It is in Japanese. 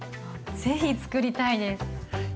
ぜひつくりたいです！